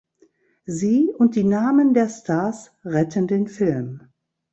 Sie und die Namen der Stars retten den Film.